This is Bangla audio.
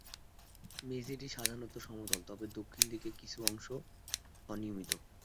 মেঝেটি সাধারণত সমতল, তবে দক্ষিণ দিকে কিছু অংশ অনিয়মিত।